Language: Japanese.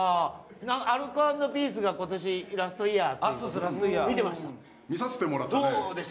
アルコ＆ピースが今年ラストイヤーということで見てました？